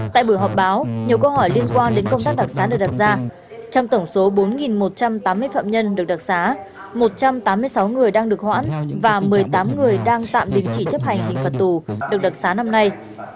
tại buổi họp báo nhiều câu hỏi liên quan đến công tác đặc xá được đặt ra trong tổng số bốn một trăm tám mươi phạm nhân được đặc xá một trăm tám mươi sáu người đang được hoãn và một mươi tám người đang tạm đình chỉ chấp hành hình phạt tù được đặc xá năm nay